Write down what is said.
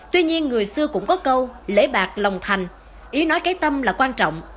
tuy nhiên người xưa cũng có câu lễ bạc lòng thành ý nói cái tâm là quan trọng